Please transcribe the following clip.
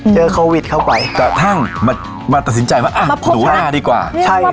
เจอเขาเข้าไปแต่ท่างมามาตัดสินใจว่าอ่ะหนูนาดีกว่าใช่ครับผม